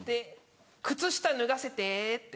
「靴下脱がせて」って。